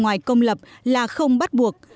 ngoài công lập là không bắt buộc